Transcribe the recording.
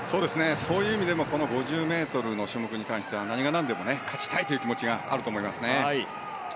そういう意味でもこの５０ｍの種目に関しては何が何でも勝ちたいという気持ちがあると思いますね。